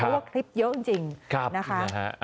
เพราะว่าคลิปเยอะจริงนะคะ